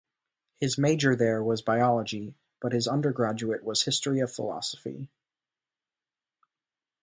His major there was biology but his undergraduate was history of philosophy.